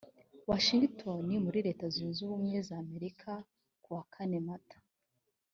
washingitoni muri leta zunze ubumwe za amerika kuwa kane mata